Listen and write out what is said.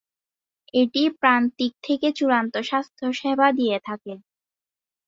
এটি প্রান্তিক থেকে চূড়ান্ত স্বাস্থ্যসেবা দিয়ে থাকে।